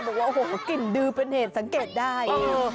บอกว่าโอ้โหกลิ่นดือเป็นเหตุสังเกตได้